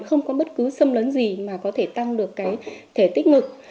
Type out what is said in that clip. không có bất cứ sâm lớn gì mà có thể tăng được cái thể tích ngực